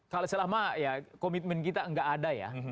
kalau selama ya komitmen kita nggak ada ya